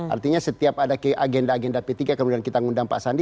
artinya setiap ada agenda agenda p tiga kemudian kita ngundang pak sandi